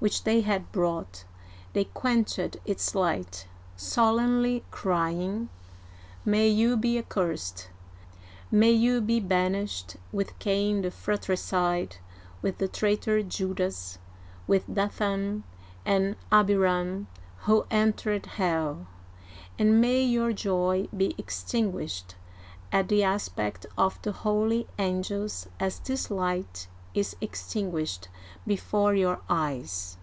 which they had brought, they quenched its light, solemnly crying :" May you be accursed, may you be banished with Cain the fratricide, with the traitor Judas, with Da'than and Abi'ram, who entered hell, and may your joy be extin guished at the aspect of the Holy angels as this light is extinguished before your eyes